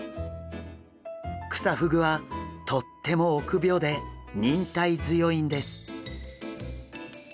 クサフグはとっても臆病で忍耐強いんです。